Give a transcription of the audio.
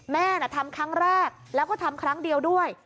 แม่น่ะทำครั้งแรกแล้วก็ทำครั้งเดียวด้วย